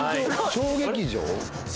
小劇場？